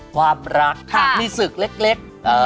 ความรักมีศึกเล็ก